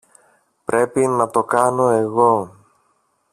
Πρέπει να το κάνω εγώ